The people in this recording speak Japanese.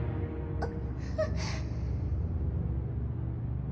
あっ。